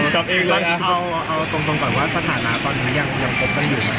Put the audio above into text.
จับเองเลยฮะเอาเอาตรงตรงก่อนว่าสถานะตอนนี้ยังยังพบกันอยู่ไหม